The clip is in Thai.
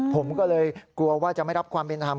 ผมก็เลยกลัวว่าจะไม่รับความเป็นธรรม